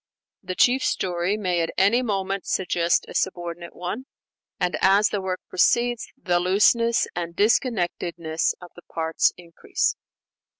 The chief story may at any moment suggest a subordinate one; and as the work proceeds, the looseness and disconnectedness of the parts increase.